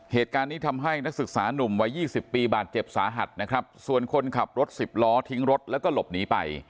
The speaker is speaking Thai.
เหตุการณ์นี้ทำให้นักศึกษานุ่มวัยยี่สิบปีบาดเจ็บสาหัสนะครับส่วนคนขับรถสิบล้อทิ้งรถแล้วก็หลบหนีไป